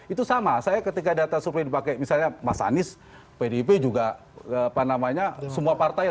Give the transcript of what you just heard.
itu sama saya ketika data survei dipakai misalnya mas anies pdip juga apa namanya semua partai